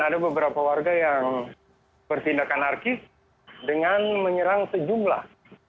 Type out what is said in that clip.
ada beberapa warga yang bertindakan arkis dengan menyerang sejumlah